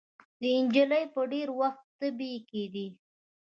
د نجلۍ به ډېر وخت تبې کېدې.